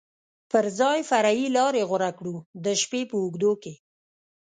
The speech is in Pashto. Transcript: پر ځای فرعي لارې غوره کړو، د شپې په اوږدو کې.